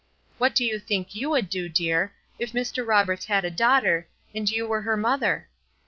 What do you think you would do, dear, if Mr. Roberts had a daughter, and you were her mother?